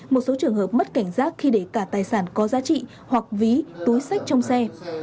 một số trường hợp mất cảnh giác khi để cả tài sản có giá trị hoặc ví túi sách trong xe